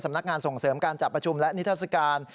นักงานส่งเสริมการจัดประชุมและนิทัศกาล